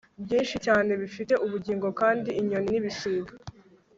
byinshi cyane bifite ubugingo kandi inyoni n ibisiga